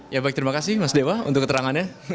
ya baik terima kasih mas dewa untuk keterangannya